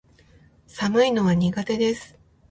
寒いのは苦手です